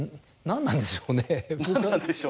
何なんでしょうね？